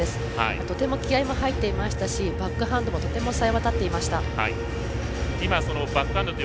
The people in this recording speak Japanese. とても気合いも入っていましたしバックハンドもとてもさえ渡っていました。